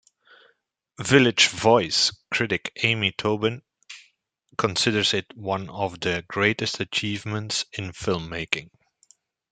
"Village Voice" critic Amy Taubin considers it one of the greatest achievements in filmmaking.